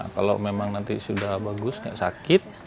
kalau memang nanti sudah bagus nggak sakit